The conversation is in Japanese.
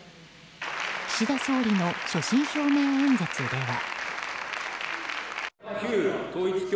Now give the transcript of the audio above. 岸田総理の所信表明演説では。